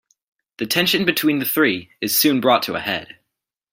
The tension between the three is soon brought to a head.